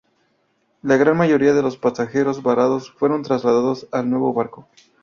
La gran mayoría de los pasajeros varados fueron trasladados al nuevo barco.